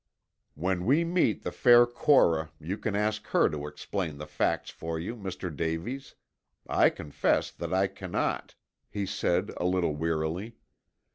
"When we meet the fair Cora you can ask her to explain the facts for you, Mr. Davies. I confess that I cannot," he said a little wearily.